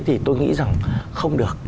thì tôi nghĩ rằng không được